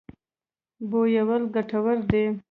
بویول ګټور دی.